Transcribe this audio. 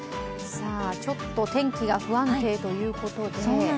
ちょっと天気が不安定ということで？